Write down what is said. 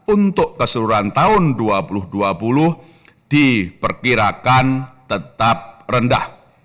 untuk keseluruhan tahun dua ribu dua puluh diperkirakan tetap rendah